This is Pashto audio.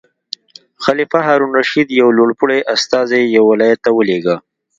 خلیفه هارون الرشید یو لوړ پوړی استازی یو ولایت ته ولېږه.